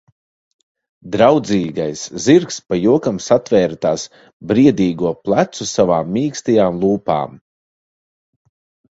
Draudzīgais zirgs pa jokam satvēra tās briedīgo plecu savām mīkstajām lūpām.